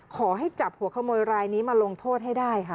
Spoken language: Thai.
ขอให้จับหัวขโมยรายนี้มาลงโทษให้ได้ค่ะ